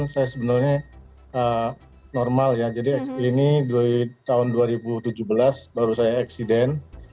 saya sebenarnya normal ya jadi ini tahun dua ribu tujuh belas baru saya eksiden